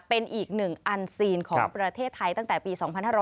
เป็นอีกหนึ่งอันซีนของประเทศไทยตั้งแต่ปี๒๕๕๙